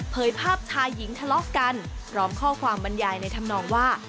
ภาพชายหญิงทะเลาะกันพร้อมข้อความบรรยายในธรรมนองว่า